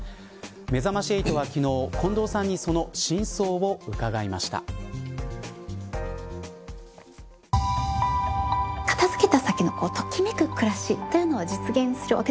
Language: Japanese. めざまし８は昨日、近藤さんにその真相をうかがいました。